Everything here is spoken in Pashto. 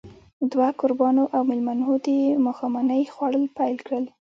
دوه کوربانو او مېلمنو د ماښامنۍ خوړل پيل کړل.